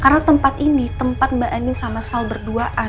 karena tempat ini tempat mbak andin sama sal berduaan